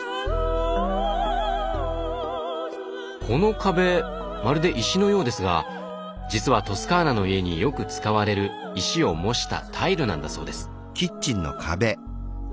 この壁まるで石のようですが実はトスカーナの家によく使われる石を模したタイルなんだそうです。